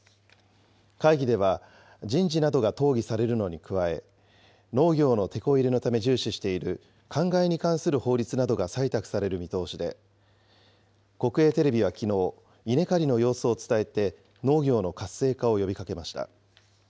会議では、人事などが討議されるのに加え、農業のてこ入れのため重視している、かんがいに関する法律などが採択される見通しで、国営テレビはきのう、稲刈りの様子を伝えて、農業の活性化を呼びかけました。